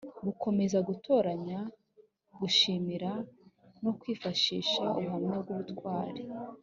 gukomeza gutoranya gushimira no kwifashisha ubuhamya bw ubutwari